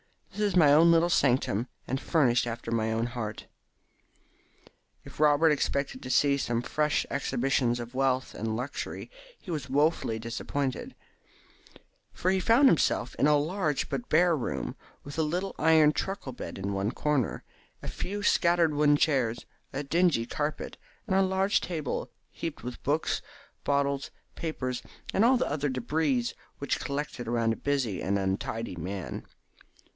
This is my own little sanctum, and furnished after my own heart." If Robert expected to see some fresh exhibition of wealth and luxury he was woefully disappointed, for he found himself in a large but bare room, with a little iron truckle bed in one corner, a few scattered wooden chairs, a dingy carpet, and a large table heaped with books, bottles, papers, and all the other debris which collect around a busy and untidy man.